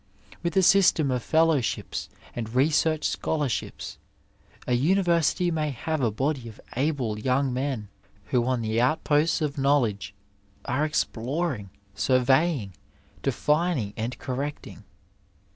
With a system of fellowships and research scholarships a university may have a body of able young men, who on the outposts of knowledge are exploring, survejdng, defining and correcting.